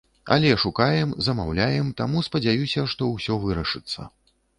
Але шукаем, замаўляем, таму спадзяюся, што ўсё вырашыцца.